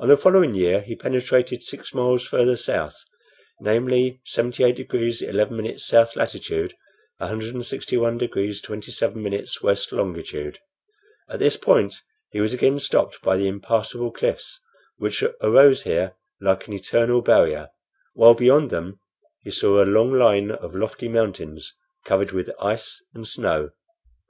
On the following year he penetrated six miles farther south, namely, 78 degrees 11' south latitude, 161 degrees 27' west longitude. At this point he was again stopped by the impassable cliffs, which arose here like an eternal barrier, while beyond them he saw a long line of lofty mountains covered with ice and snow."